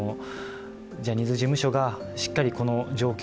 ジャニーズ事務所がしっかりこの状況